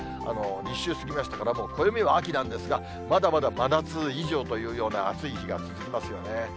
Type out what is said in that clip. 立秋過ぎましたから、暦は秋なんですが、まだまだ真夏以上というような暑い日が続きますよね。